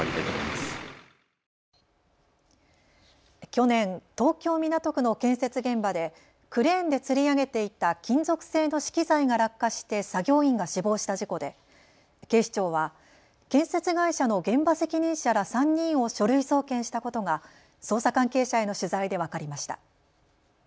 去年、東京港区の建設現場でクレーンでつり上げていた金属製の資機材が落下して作業員が死亡した事故で警視庁は建設会社の現場責任者ら３人を書類送検したことが捜査関係者への取材で分かりました。